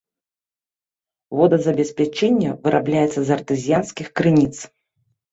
Водазабеспячэнне вырабляецца з артэзіянскіх крыніц.